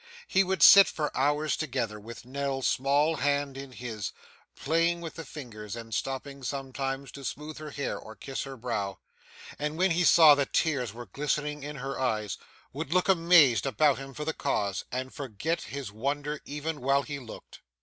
He would sit, for hours together, with Nell's small hand in his, playing with the fingers and stopping sometimes to smooth her hair or kiss her brow; and, when he saw that tears were glistening in her eyes, would look, amazed, about him for the cause, and forget his wonder even while he looked.